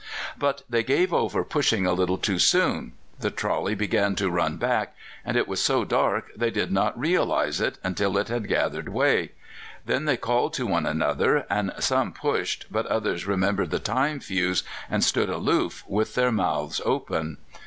But they gave over pushing a little too soon; the trolley began to run back, and it was so dark they did not realize it until it had gathered way; then they called to one another, and some pushed, but others remembered the time fuse, and stood aloof with their mouths open.